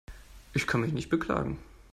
Ich kann mich nicht beklagen.